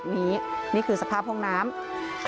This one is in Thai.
มีแต่เสียงตุ๊กแก่กลางคืนไม่กล้าเข้าห้องน้ำด้วยซ้ำ